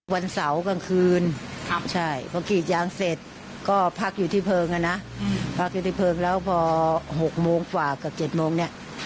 วันเสากลางคืนพอกรีดยางเสร็จก็พักอยู่ที่เพลิงแล้วพอ๖โมงกว่ากับ๗โมงเนี่ย